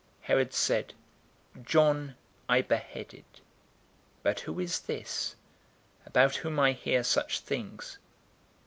009:009 Herod said, "John I beheaded, but who is this, about whom I hear such things?"